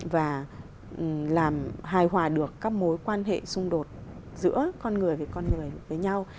và làm hài hòa được các mối quan hệ xung đột giữa con người với con người với nhau